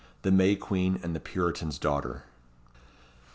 The May Queen and the Puritan's Daughter.